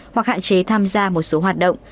hoặc hạn chế tham gia một số hoạt động